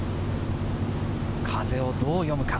風をどう読むか？